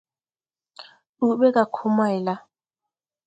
Ndu ɓɛ gá Comayla.